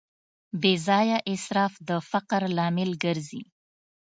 بېځایه اسراف د فقر لامل ګرځي.